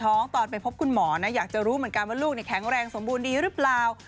ตอนไปพบคุณหมอนะอยากจะรู้เหมือนกันว่าลูกแข็งแรงสมบูรณ์ดีหรือเปล่า